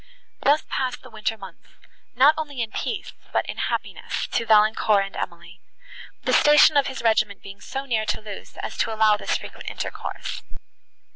Thus passed the winter months, not only in peace, but in happiness, to Valancourt and Emily; the station of his regiment being so near Thoulouse, as to allow this frequent intercourse.